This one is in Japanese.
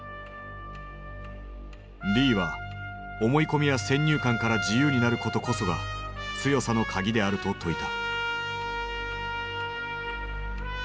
リーは思い込みや先入観から自由になることこそが強さの鍵であると説いた。